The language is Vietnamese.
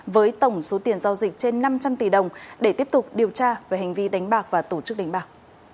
với tổng số tiền giao dịch trên năm trăm linh tỷ đồng để tiếp tục điều tra về hành vi đánh bạc và tổ chức đánh bạc